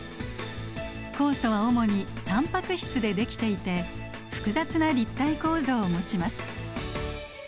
酵素は主にタンパク質でできていて複雑な立体構造を持ちます。